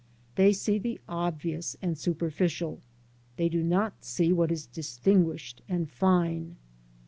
They see the obvious and superficial ; they do not see what is distinguished and fine.